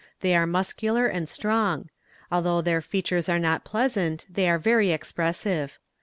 They are muscular and strong. Although their features are not pleasant, they are very expressive.